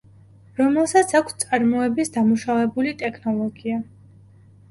რომელსაც აქვს წარმოების დამუშავებული ტექნოლოგია.